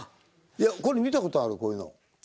いやこれ見た事あるこういうの。